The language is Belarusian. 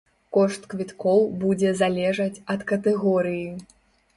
Кошт квіткоў будзе залежаць ад катэгорыі.